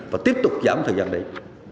và tiếp tục giảm thời gian đấy